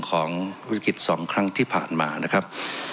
ของวิกฤต๒ครั้งที่ผ่านมานะครับ